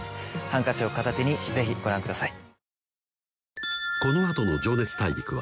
ハンカチを片手にぜひご覧ください。